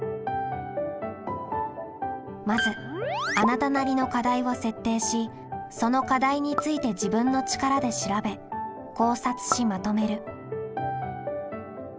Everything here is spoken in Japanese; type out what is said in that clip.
まずあなたなりの課題を設定しその課題について自分の力で調べ考察しまとめる。